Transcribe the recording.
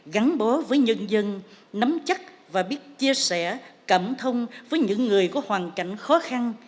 gắn bó với nhân dân nắm chắc và biết chia sẻ cảm thông với những người có hoàn cảnh khó khăn